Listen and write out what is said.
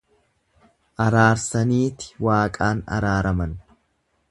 Araarsaniiti waaqaan araaraman.